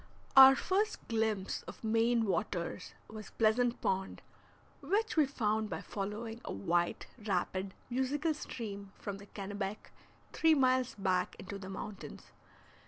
Our first glimpse of Maine waters was Pleasant Pond, which we found by following a white, rapid, musical stream from the Kennebec three miles back into the mountains.